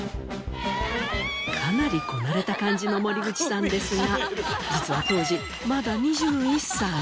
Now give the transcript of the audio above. かなりこなれた感じの森口さんですが実は当時まだ２１歳。